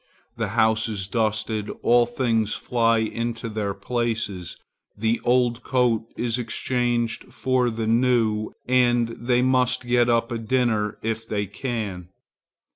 The house is dusted, all things fly into their places, the old coat is exchanged for the new, and they must get up a dinner if they can.